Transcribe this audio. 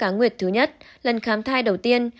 nguyệt thứ nhất lần khám thai đầu tiên